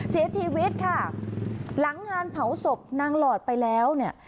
เสียชีวิตค่ะหลังงานเผาศพนางหลอดไปแล้วเนี่ย